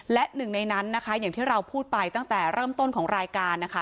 และหนึ่งในนั้นนะคะอย่างที่เราพูดไปตั้งแต่เริ่มต้นของรายการนะคะ